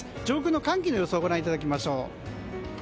上空の寒気の予想をご覧いただきましょう。